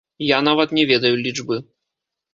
Я нават не ведаю лічбы.